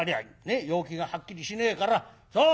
陽気がはっきりしねえからそう！